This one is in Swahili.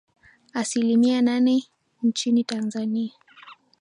Asilimia nane nchini Tanzania